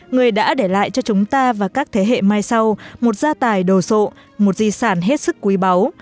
người đã để lại cho chúng ta và các thế hệ mai sau một gia tài đồ sộ một di sản hết sức quý báu